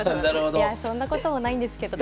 いやそんなこともないんですけど。